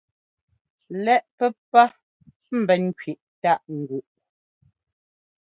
Lɛ́ꞌ pɛ́pá ḿbɛn kẅiꞌ táꞌ ŋguꞌ.